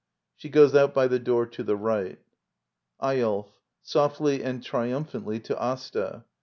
[She goes out, by the door to the right] Eyolf. [Softly and triumphantly, to Asta.